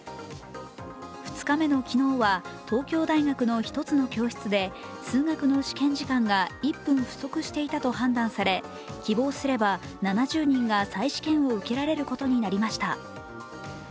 ２日目の昨日は東京大学の１つの教室で数学の試験時間が１分不足していたと判断され、希望すれば７０人が再試験を受けられることになりました。